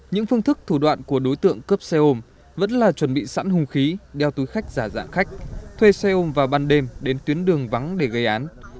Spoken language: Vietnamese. những phương thức thủ đoạn của đối tượng cướp xe ôm vẫn là chuẩn bị sẵn hùng khí đeo túi khách giả dạng khách thuê xe ôm vào ban đêm đến tuyến đường vắng để gây án